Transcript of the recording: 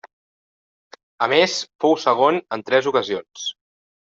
A més fou segon en tres ocasions.